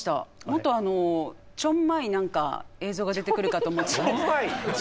もっとちょんまい何か映像が出てくるかと思ってたんですけど。